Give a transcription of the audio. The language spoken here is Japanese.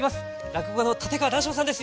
落語家の立川談笑さんです！